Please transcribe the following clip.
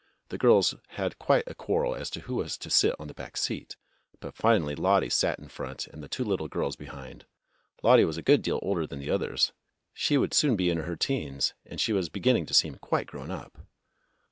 The girls had quite a quarrel as to who was to sit on the back seat, but finally Lottie sat in front and the two little girls behind. Lottie was a good deal older than the others. She would soon be in her 'teens, and she was beginning to seem quite grown up.